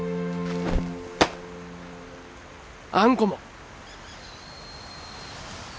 あんこも。